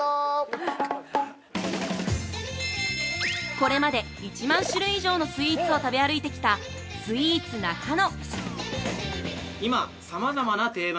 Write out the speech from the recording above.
これまで１万種類以上のスイーツを食べ歩いてきたスイーツなかの。